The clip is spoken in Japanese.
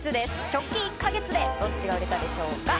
直近１ヶ月でどっちが売れたでしょうか？